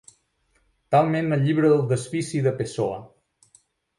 Talment el Llibre del desfici de Pessoa.